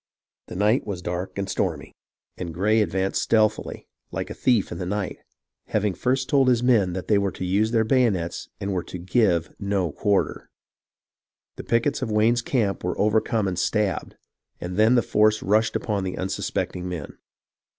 The night was dark and stormy, and BRAND YWINE AND GERMANTOWN 21/ Gray advanced stealthily, like a thief in the night, having first told his men that they were to use their bayonets and were to give no quarter. The pickets of Wayne's camp were overcome and stabbed, and then the force rushed upon the unsuspecting men.